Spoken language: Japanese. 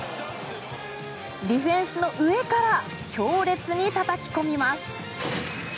ディフェンスの上から強烈にたたき込みます。